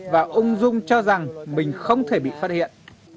và ung dung cho rằng mình không thể bị phát hiện